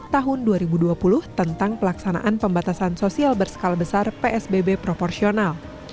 tahun dua ribu dua puluh tentang pelaksanaan pembatasan sosial berskala besar psbb proporsional